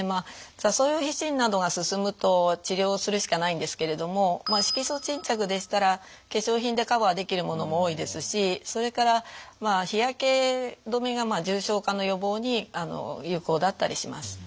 ざ瘡様皮疹などが進むと治療するしかないんですけれどもまあ色素沈着でしたら化粧品でカバーできるものも多いですしそれから日焼け止めが重症化の予防に有効だったりします。